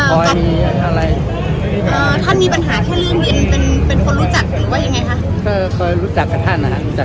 ก็ค่อยรู้จักกับท่านอะฮะ